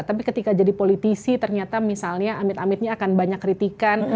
tapi ketika jadi politisi ternyata misalnya amit amitnya akan banyak kritikan